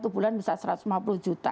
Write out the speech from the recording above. satu bulan bisa satu ratus lima puluh juta